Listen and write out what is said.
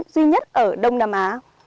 duy nhất ở đông nam á